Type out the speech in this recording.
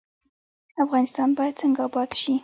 افغانستان باید څنګه اباد شي؟